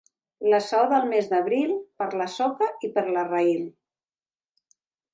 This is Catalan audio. La saó del mes d'abril, per la soca i per la raïl.